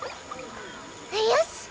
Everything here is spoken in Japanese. よし！